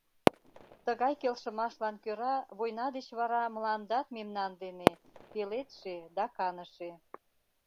Тыгай келшымашлан кӧра Война деч вара Мландат мемнан дене — пеледше да каныше.